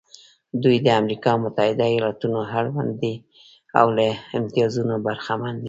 دوی د امریکا متحده ایالتونو اړوند دي او له امتیازونو برخمن دي.